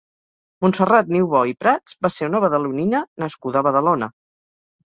Montserrat Niubó i Prats va ser una badalonina nascuda a Badalona.